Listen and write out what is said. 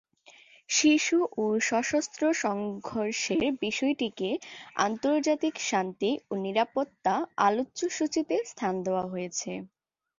শিশু ও সশস্ত্র সংঘর্ষের বিষয়টিকে আন্তর্জাতিক শান্তি ও নিরাপত্তা এজেন্ডায় স্থান দেওয়া হয়েছে।